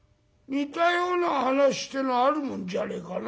似たような話ってのはあるもんじゃねえかな」。